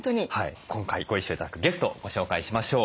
今回ご一緒頂くゲストご紹介しましょう。